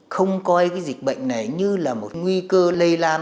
không coi cái dịch bệnh này như là một nguy cơ lây lan